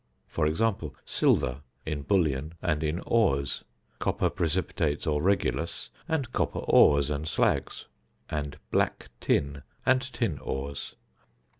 For example, silver in bullion and in ores; copper precipitates or regulus, and copper ores and slags; and "black tin" and tin ores.